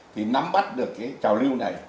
thì nắm bắt được cái trào lưu này